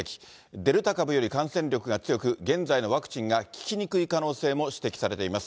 デルタ株より感染力が強く、現在のワクチンが効きにくい可能性も指摘されています。